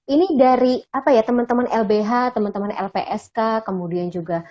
ini dari apa ya teman teman lbh teman teman lpsk kemudian juga